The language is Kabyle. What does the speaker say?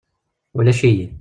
Ulac-iyi.